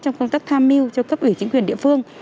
trong công tác tham mưu cho cấp ủy chính quyền địa phương